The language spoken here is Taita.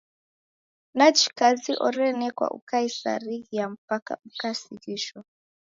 Nachi kazi orenekwa ukaisarighia mpaka ukasighishwa.